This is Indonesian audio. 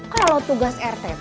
kalau tugas rtt